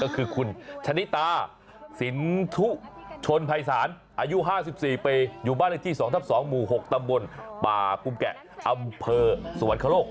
ก็คือคุณชะนิตาสินทุชนภัยศาลอายุ๕๔ปีอยู่บ้านเลขที่๒ทับ๒หมู่๖ตำบลป่าปุมแกะอำเภอสวรรคโลก